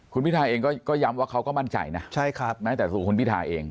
คุณพิทาเองก็ย้ำว่าเขาก็มั่นใจนะแม้แต่ตัวคุณพิทาเอง